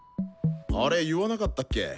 あれ言わなかったっけ？